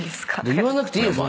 言わなくていいよ